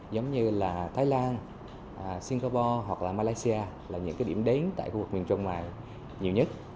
giống như là thái lan singapore hoặc là malaysia là những cái điểm đến tại khu vực miền trung ngoài nhiều nhất